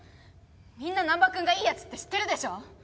みんな難破君がいいやつって知ってるでしょ。